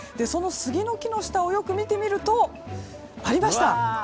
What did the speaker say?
そのスギの木の下をよく見てみるとありました。